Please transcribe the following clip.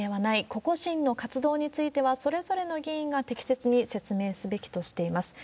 個々人の活動については、それぞれの議員が適切に説明すべきとしています。